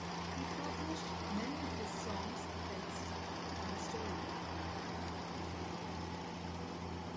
He published many of his songs texts and a story book.